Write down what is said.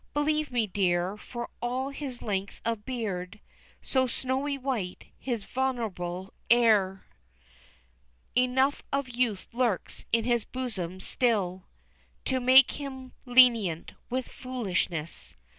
Believe me, dear, for all his length of beard So snowy white, his venerable air, Enough of youth lurks in his bosom still To make him lenient with foolishness.